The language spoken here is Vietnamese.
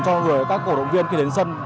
cho người các cổ động viên khi đến sân